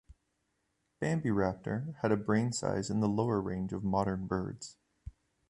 "Bambiraptor" had a brain size in the lower range of modern birds.